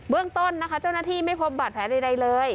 เรื่องต้นนะคะเจ้าหน้าที่ไม่พบบาดแผลใดเลย